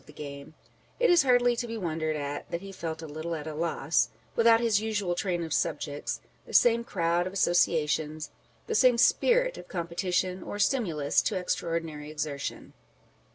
385 of the game, it is hardly to be wondered at that he felt a little at a loss â€" without his usual train of subjects, the same crowd of associations, the same spirit of competition, or stimulus to extraordinary exertion.